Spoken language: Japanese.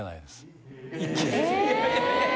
え！